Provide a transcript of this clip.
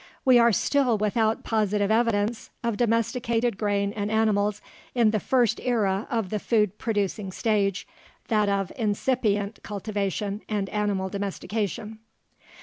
We are still without positive evidence of domesticated grain and animals in the first era of the food producing stage, that of incipient cultivation and animal domestication.